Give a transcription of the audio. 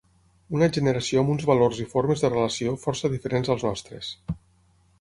Una generació amb uns valors i formes de relació força diferents als nostres.